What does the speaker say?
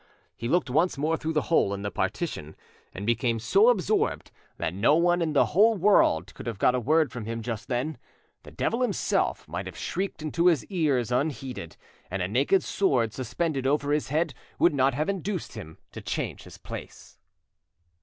He looked once more through the hole in the partition, and became so absorbed that no one in the whole world could have got a word from him just then; the devil himself might have shrieked into his ears unheeded, and a naked sword suspended over his head would not have induced him to change his place.